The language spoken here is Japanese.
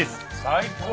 最高。